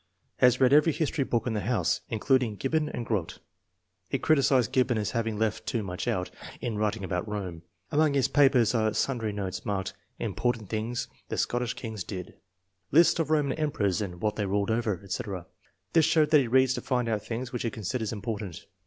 Has read every history book in the house, including Gib bon and Grote. He criticized Gibbon as 'having left too much out ' in writing about Rome. Among his papers are sundry notes marked * Important things the Scottish kings did/ * List of Roman Emperors and what they ruled over/ etc. This shows that he reads to find out things which he considers important.